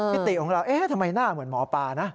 ติของเราเอ๊ะทำไมหน้าเหมือนหมอปลานะ